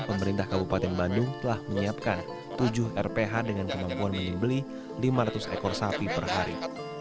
pemerintah kabupaten bandung telah menyiapkan tujuh rph dengan kemampuan menyembeli lima ratus ekor sapi per hari